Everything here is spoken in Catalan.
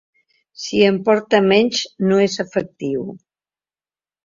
Si en porta menys, no és efectiu.